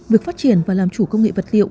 việc phát triển và làm chủ công nghệ vật liệu